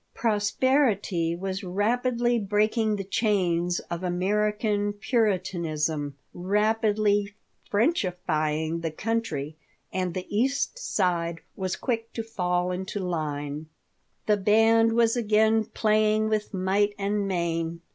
Prosperity was rapidly breaking the chains of American Puritanism, rapidly "Frenchifying" the country, and the East Side was quick to fall into line The band was again playing with might and main.